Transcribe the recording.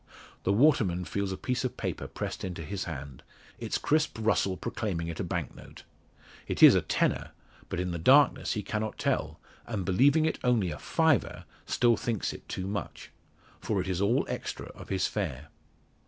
The waterman feels a piece of paper pressed into his hand, its crisp rustle proclaiming it a bank note. It is a "tenner," but in the darkness he cannot tell, and believing it only a "fiver," still thinks it too much. For it is all extra of his fare.